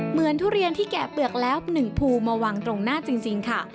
เหมือนทุเรียนที่แกะเปลือกแล้วหนึ่งพูมาวางตรงหน้าจริงค่ะ